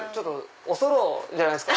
おそろじゃないですか？